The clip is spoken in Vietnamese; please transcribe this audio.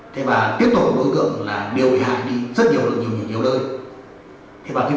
thế và tiếp tục đối tượng là điều bị hại đi rất nhiều lần nhiều lần nhiều lần